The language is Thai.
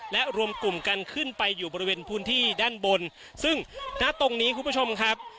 และรวมกลุ่มกันขึ้นไปอยู่บริเวณพื้นที่ด้านบนซึ่งณตรงนี้คุณผู้ชมครับ